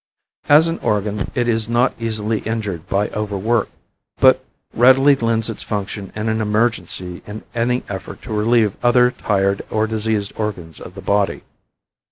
As an organ it is not easily injured by over work, but readily lends its function in an emergency in any effort to relieve other tired or diseased organs of the body.